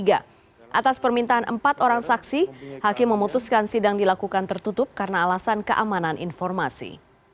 atas permintaan empat orang saksi hakim memutuskan sidang dilakukan tertutup karena alasan keamanan informasi